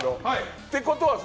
ってことはさ